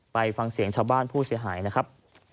ไปฟังเสียงชาวบ้านผู้เสียหายนะครับ